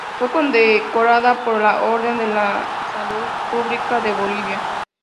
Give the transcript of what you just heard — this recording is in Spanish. Fue condecorada con la Orden de la Salud Pública de Bolivia.